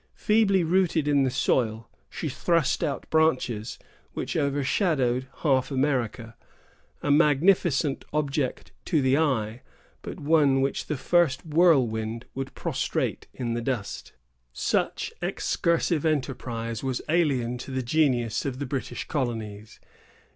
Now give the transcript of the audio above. Feebly rooted in the soil, she thrust out branches which overshadowed half America; a magnificent object to the eye, but one which the first whirlwind would prostrate in the dust. Such excursive enterprise was alien to the genius of the British colonies.